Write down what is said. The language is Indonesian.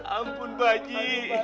ampun pak haji